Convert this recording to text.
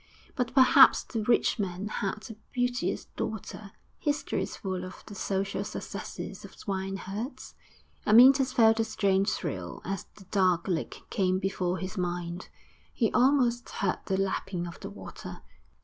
But perhaps the rich man had a beauteous daughter; history is full of the social successes of swine herds. Amyntas felt a strange thrill as the dark lake came before his mind; he almost heard the lapping of the water....